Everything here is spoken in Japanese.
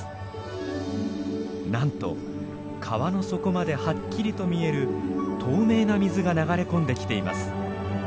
なんと川の底まではっきりと見える透明な水が流れ込んできています。